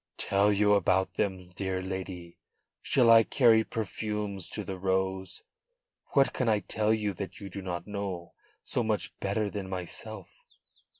"Tell you about them, dear lady? Shall I carry perfumes to the rose? What can I tell you that you do not know so much better than myself?"